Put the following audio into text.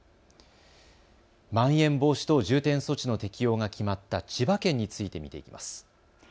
まん延防止等重点措置の適用が決まった千葉県について見ていきます。